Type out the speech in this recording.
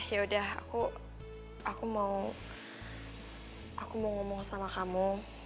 yaudah aku mau ngomong sama kamu